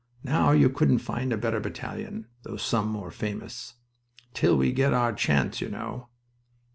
Now you couldn't find a better battalion, though some more famous... Till we get our chance, you know."